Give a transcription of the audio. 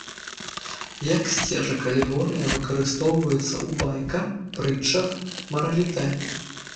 Як сцежак алегорыя выкарыстоўваецца ў байка, прытчах, маралітэ.